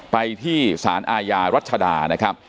ไปที่สารอาญารัชดานะครับ